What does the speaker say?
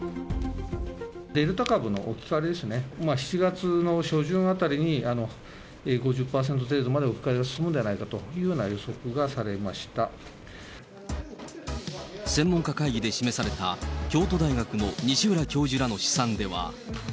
デルタ株の置き換わりですね、７月の初旬あたりに、５０％程度まで置き換わりが進むんじゃないかというような予測が専門家会議で示された、京都大学の西浦教授らの試算では。